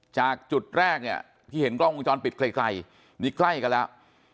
จากจุดแรกเนี่ยที่เห็นกล้องวงจรปิดไกลนี่ใกล้กันแล้ว